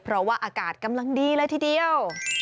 เพราะว่าอากาศกำลังดีเลยทีเดียว